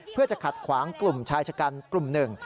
เพื่อจะขัดขวางกลุ่มชายชะกันกลุ่มหนึ่ง